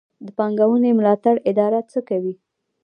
د پانګونې ملاتړ اداره څه کوي؟